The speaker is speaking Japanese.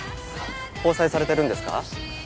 交際されてるんですか？